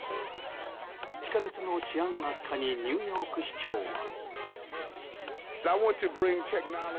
地下鉄の治安悪化にニューヨーク市長は。